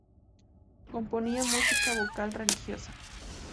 Componía música vocal religiosa.